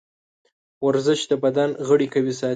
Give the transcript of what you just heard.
ورزش د بدن غړي قوي ساتي.